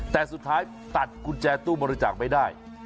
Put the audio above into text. แต่สุดท้ายตัดกุญแจตู้บริจาคไม่ได้